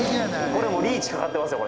これもうリーチかかってますよ